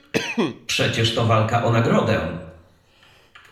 "Przecież to walka o nagrodę."